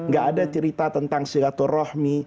gak ada cerita tentang silaturahmi